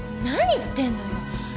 何言ってんのよ！？